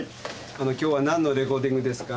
あの今日はなんのレコーディングですか？